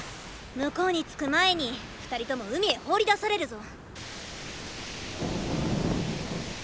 向こうに着く前に２人とも海へ放り出されるぞ！